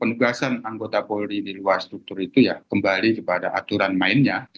penugasan anggota poldi diluar struktur itu ya kembali kepada aturan mainnya